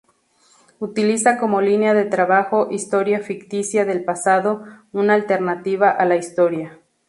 Utiliza como línea de trabajo "historia ficticia del pasado", una alternativa a la historia.